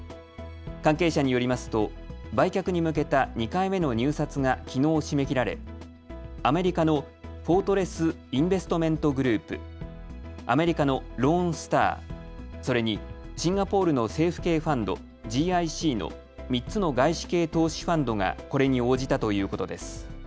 関係者によりますと売却に向けた２回目の入札がきのう締め切られ、アメリカのフォートレス・インベストメント・グループ、アメリカのローン・スター、それにシンガポールの政府系ファンド、ＧＩＣの３つの外資系投資ファンドがこれに応じたということです。